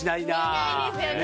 見ないですよね。